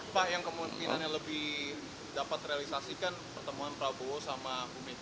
pak yang kemungkinan lebih dapat realisasikan pertemuan prabowo sama bumegah